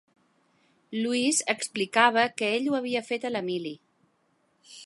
Luis explicava que ell ho havia fet a la mili.